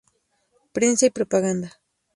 Prensa y Propaganda.